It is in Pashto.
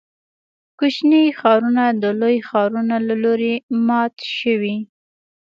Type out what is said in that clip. کوچني ښارونه د لویو ښارونو له لوري مات شوي.